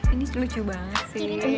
ini lucu banget sih